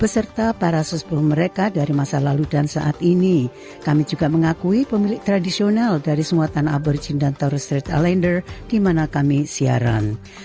sps indonesia mengakui pemilik tradisional dari semua tanah abor jindan taurus rita lander di mana kami siaran